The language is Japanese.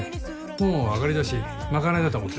もう上がりだし賄いだと思って。